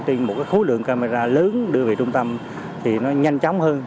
trên một khối lượng camera lớn đưa về trung tâm thì nó nhanh chóng hơn